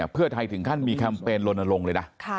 เพื่อไทยถึงขั้นมีแคมเปญลนลงเลยนะ